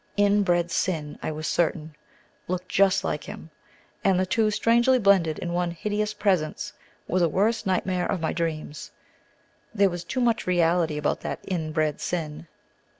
"Inbred Sin," I was certain, looked just like him; and the two, strangely blended in one hideous presence, were the worst nightmare of my dreams. There was too much reality about that "Inbreed Sin."